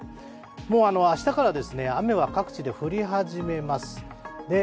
もう明日から雨は各地で降り始めます。